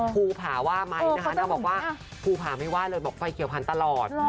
ภูผาว่าไหมนะคะนางบอกว่าภูผาไม่ว่าเลยบอกไฟเขียวพันธุ์ตลอด